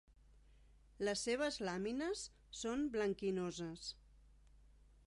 Les seves làmines són blanquinoses.